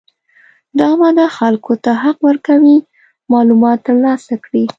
دا ماده خلکو ته حق ورکوي معلومات ترلاسه کړي.